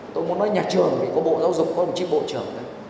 tôi muốn nói nhà trường thì có bộ giáo dục có đồng chí bộ trưởng